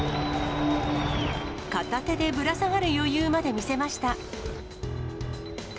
片手でぶら下がる余裕まで見せました。